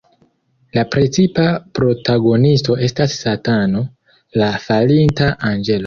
La precipa protagonisto estas Satano, la falinta anĝelo.